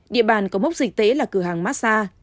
địa bàn có mốc dịch tễ là cửa hàng massa